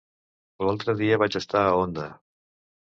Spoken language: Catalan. L'altre dia vaig estar a Onda.